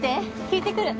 聞いてくる。